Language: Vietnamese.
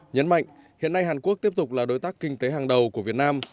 nhấn mạnh hiện nay hàn quốc tiếp tục là đối tác kinh tế hàng đầu của việt nam